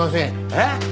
えっ？